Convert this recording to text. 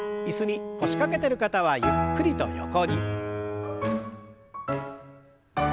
椅子に腰掛けてる方はゆっくりと横に。